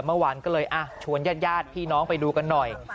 เมื่อวานก็เลยชวนญาติพี่น้องไปดูกันหน่อย